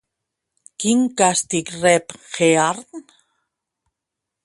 Quin càstig rep Hearn?